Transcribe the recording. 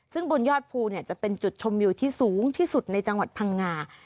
ซึ่งบนยอดภูจะเป็นจุดชมวิวที่สูงที่สุดในจังหวัดพังงา